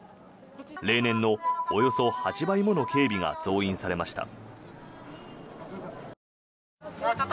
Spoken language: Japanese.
例年のおよそ８倍もの警備が増員されました。